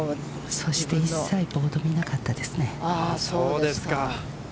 そして一切、ボードを見なかったですね。